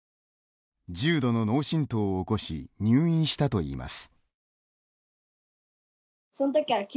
重度の脳しんとうを起こし入院したといいます。